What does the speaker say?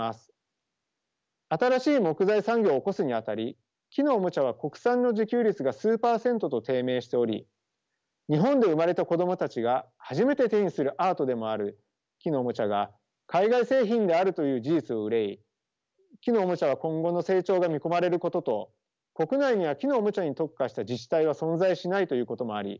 新しい木材産業を興すにあたり木のおもちゃは国産の自給率が数％と低迷しており日本で生まれた子供たちが初めて手にするアートでもある木のおもちゃが海外製品であるという事実を憂い木のおもちゃは今後の成長が見込まれることと国内には木のおもちゃに特化した自治体は存在しないということもあり